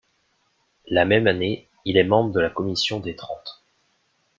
La même année, il est membre de la Commission des Trente.